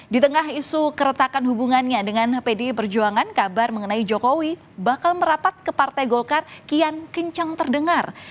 di tengah isu keretakan hubungannya dengan pdi perjuangan kabar mengenai jokowi bakal merapat ke partai golkar kian kencang terdengar